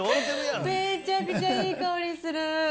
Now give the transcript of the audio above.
めっちゃくちゃいい香りする。